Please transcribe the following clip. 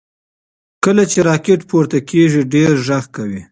کله چې راکټ پورته کیږي ډېر غږ کوي.